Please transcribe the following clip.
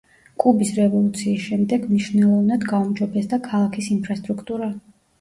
კუბის რევოლუციის შემდეგ მნიშვნელოვნად გაუმჯობესდა ქალაქის ინფრასტრუქტურა.